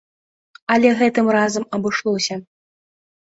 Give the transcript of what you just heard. Але гэтым разам абышлося.